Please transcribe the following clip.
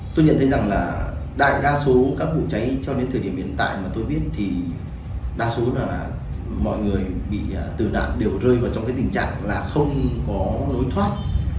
tôi nhận thấy rằng là đa số các vụ cháy cho đến thời điểm hiện tại mà tôi biết thì đa số là mọi người bị tử nạn đều rơi vào trong cái tình trạng là không có nối thoát